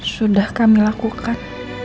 sudah kami lakukan